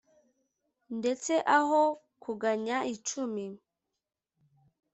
Ndetse aho kuganya icumi,